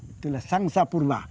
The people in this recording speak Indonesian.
itulah sang sapurma